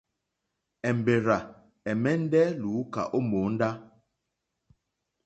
Èmbèrzà ɛ̀mɛ́ndɛ́ lùúká ó mòóndá.